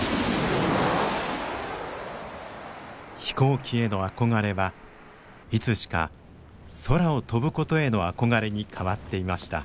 飛行機への憧れはいつしか空を飛ぶことへの憧れに変わっていました。